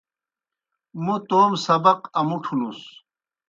موْ توموْ سبق امُٹھوْنُس۔